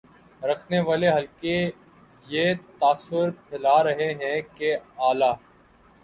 رکھنے والے حلقے یہ تاثر پھیلا رہے ہیں کہ اعلی